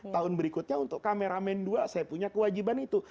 tahun berikutnya untuk kameramen dua saya punya kewajiban itu